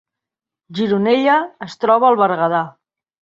Gironella es troba al Berguedà